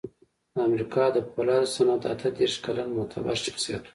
د امریکا د پولادو صنعت اته دېرش کلن معتبر شخصیت و